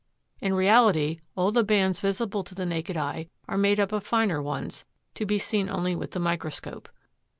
In reality, all the bands visible to the naked eye are made up of finer ones, to be seen only with the microscope.